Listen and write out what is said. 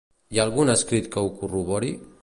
Hi ha algun escrit que ho corrobori?